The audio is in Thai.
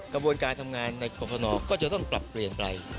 กระบวนการทำงานในกรฟนก็จะต้องปรับเปลี่ยนไป